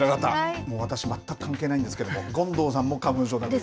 私、全く関係ないですけど権藤さんも花粉症です。